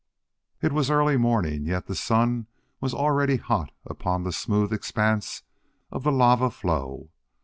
It was early morning, yet the sun was already hot upon the smooth expanse of the lava flow.